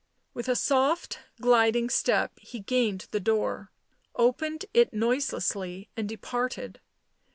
With a soft gliding step he gained the door, opened it noiselessly, and departed.